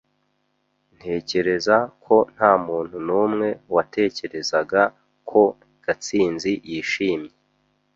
Ntekereza ko ntamuntu numwe watekerezaga ko Gatsinzi yishimye.